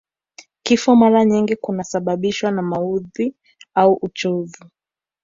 Kifo mara nyingi kunasababishwa na maudhi au uchovu